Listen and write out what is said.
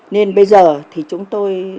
nên bây giờ thì chúng tôi